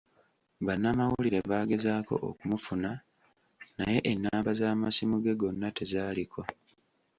Bannamawulire baagezaako okumufuna, naye ennamba z'amasimu ge gonna tezaaliko.